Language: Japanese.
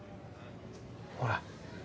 ほら。